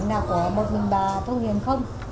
không hẳn là của một mình bà thông hiền không